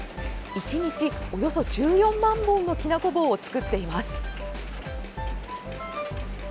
１日およそ１４万本のきなこ棒を作っています。